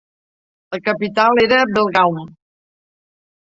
La capital era Belgaum.